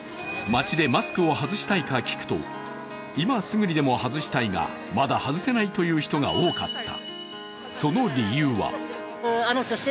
街でマスクを外したいかと聞くと今すぐにでも外したいがまだ外せないという人が多かった。